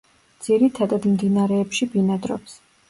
ძირითადად მდინარეებში ბინადრობს.